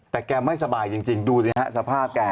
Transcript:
แต่แกไม่สบายจริงดูสิฮะสภาพแก